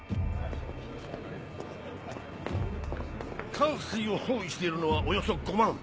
関水を包囲しているのはおよそ５万。